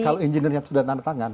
kalau engineer yang sudah tanda tangan